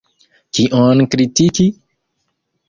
Kion kritiki?